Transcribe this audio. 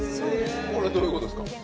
どういうことですか。